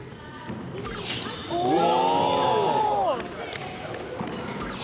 おお！